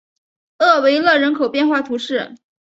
厄维勒人口变化图示